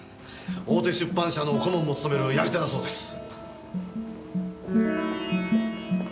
大手出版社の顧問も務めるやり手だそうです。